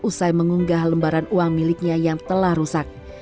usai mengunggah lembaran uang miliknya yang telah rusak